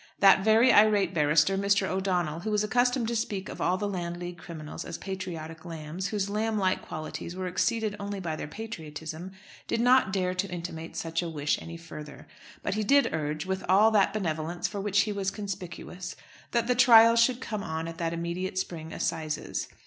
That very irate barrister, Mr. O'Donnell, who was accustomed to speak of all the Landleague criminals as patriotic lambs, whose lamb like qualities were exceeded only by their patriotism, did not dare to intimate such a wish any further. But he did urge, with all that benevolence for which he was conspicuous, that the trial should come on at that immediate spring assizes.